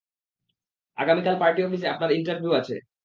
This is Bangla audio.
আগামীকাল পার্টি অফিসে আপনার ইন্টারভিউ রয়েছে।